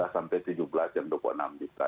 dua sampai tujuh belas jam dua puluh enam juta